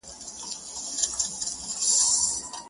• دلته بله محکمه وي فیصلې وي,